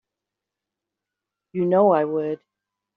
You know I would.